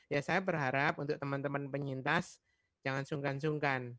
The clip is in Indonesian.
ya saya berharap untuk teman teman penyintas jangan sungkan sungkan